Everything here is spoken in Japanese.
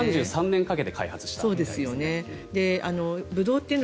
３３年かけて開発したという。